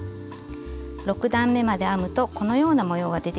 ６段めまで編むとこのような模様が出てきます。